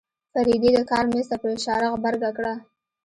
فريدې د کار مېز ته په اشاره غبرګه کړه.